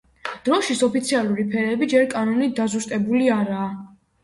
დროშის ოფიციალური ფერები ჯერ კანონით დაზუსტებული არაა.